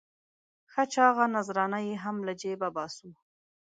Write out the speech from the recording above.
ښه چاغه نذرانه یې هم له جېبه باسو.